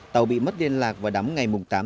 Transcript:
tàu bị mất liên lạc và đắm ngày tám tháng một mươi hai